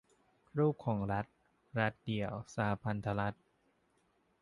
รูปของรัฐ : รัฐเดี่ยว สหพันธรัฐ